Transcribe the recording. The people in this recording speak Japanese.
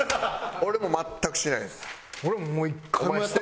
俺も全くしないんです。